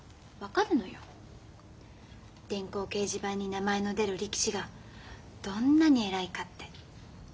電光掲示板に名前の出る力士がどんなに偉いかって。